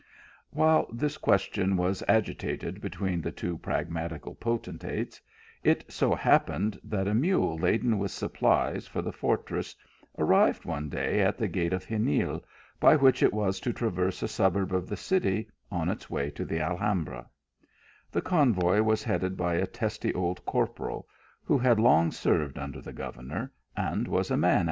While this question was agitated between the two pragmatical potentates, it so happened that a mule laden with supplies for the fortress arrived o ne clay at the gate of Xenil, by which it was to traverse a suburb of the city on its way to the Alh imbru, The convoy was headed by a testy old corporal, who had long served under the governor, and was a man THE GOVERNOR AND THE NOTARY.